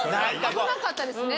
危なかったですね。